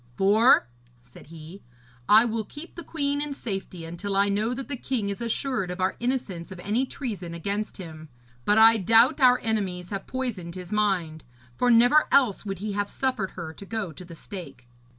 'For,' said he, 'I will keep the queen in safety until I know that the king is assured of our innocence of any treason against him. But I doubt our enemies have poisoned his mind, for never else would he have suffered her to go to the stake.'